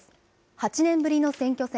８年ぶりの選挙戦。